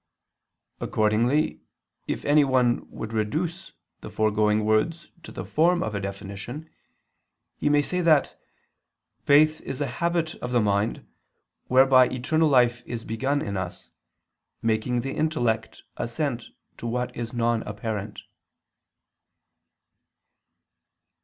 Accordingly if anyone would reduce the foregoing words to the form of a definition, he may say that "faith is a habit of the mind, whereby eternal life is begun in us, making the intellect assent to what is non apparent."